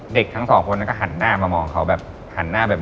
เด็กทั้งสองคนนั้นก็หันหน้ามามองเค้าแบบ